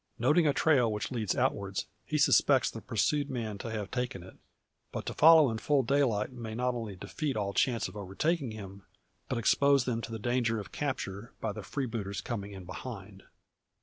Noting a trail which leads outwards, he suspects the pursued man to have taken it. But to follow in full daylight may not only defeat all chance of overtaking him, but expose them to the danger of capture by the freebooters coming in behind.